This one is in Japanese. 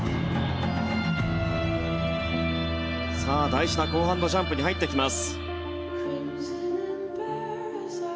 大事な後半のジャンプに入ってきます。